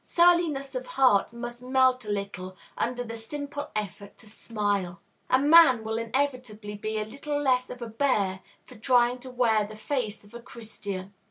Surliness of heart must melt a little under the simple effort to smile. A man will inevitably be a little less of a bear for trying to wear the face of a Christian.